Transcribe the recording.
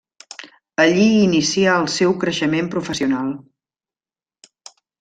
Allí inicià el seu creixement professional.